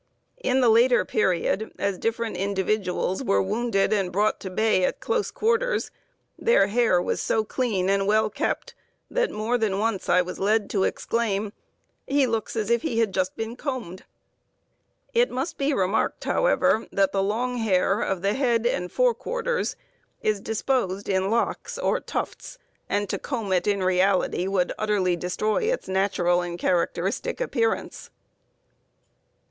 In the later period, as different individuals were wounded and brought to bay at close quarters, their hair was so clean and well kept, that more than once I was led to exclaim: "He looks as if he had just been combed." It must be remarked, however, that the long hair of the head and fore quarters is disposed in locks or tufts, and to comb it in reality would utterly destroy its natural and characteristic appearance.